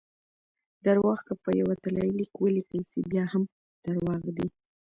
درواغ که په یو طلايي لیک ولیکل سي؛ بیا هم درواغ دي!